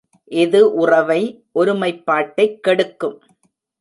இது உறவை, ஒருமைப்பாட்டைக் கெடுக்கும்.